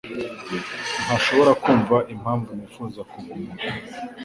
ntashobora kumva impamvu nifuza kuguma.